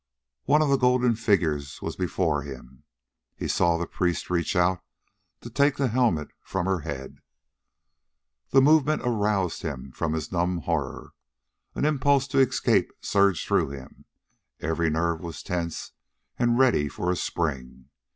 One of the golden figures was before him. He saw the priest reach out to take the helmet from her head. The movement aroused him from his numb horror. An impulse to escape surged through him; every nerve was tense and ready for a spring.